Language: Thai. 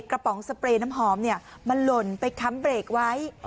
ป๋องสเปรย์น้ำหอมมันหล่นไปค้ำเบรกไว้